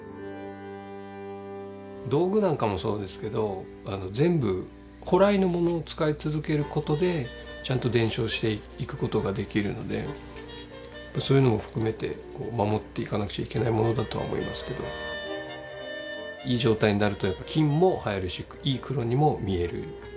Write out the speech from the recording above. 道具なんかもそうですけど全部古来のものを使い続ける事でちゃんと伝承していく事ができるのでそういうのを含めて守っていかなくちゃいけないものだとは思いますけどいい状態になるとやっぱ金も映えるしいい黒にも見える。